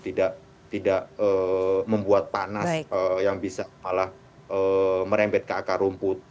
tidak membuat panas yang bisa malah merembet ke akar rumput